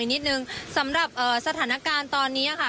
นิดนึงสำหรับสถานการณ์ตอนนี้ค่ะ